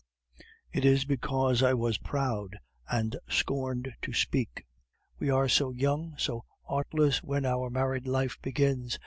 It is because I was proud, and scorned to speak. We are so young, so artless when our married life begins!